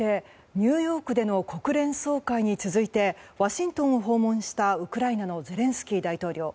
ニューヨークでの国連総会に続いてワシントンを訪問したウクライナのゼレンスキー大統領。